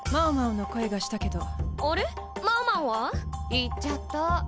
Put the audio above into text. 行っちゃった。